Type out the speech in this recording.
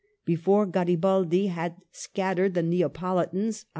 Before Garibaldi had scattered the Neapolitans (Oct.